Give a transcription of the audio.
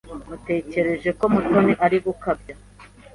Natekereje ko Mutoni ari gukabya.